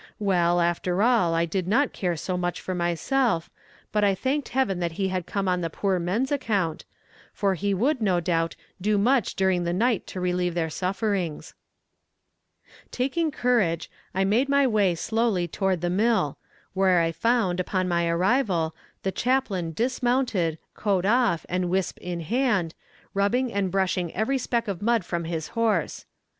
Well, after all, I did not care so much for myself, but I thanked heaven that he had come on the poor men's account, for he would, no doubt, do much during the night to relieve their sufferings. Taking courage, I made my way slowly toward the mill, where I found, on my arrival, the chaplain dismounted, coat off, and wisp in hand, rubbing and brushing every speck of mud from his horse.